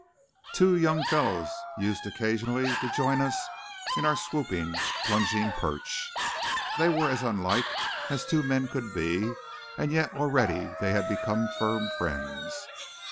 Two young fellows used occasionally to join us in our swooping, plunging perch. They were as unlike as two men could be, and yet already they had become firm friends.